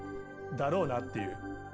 だろうなっていう。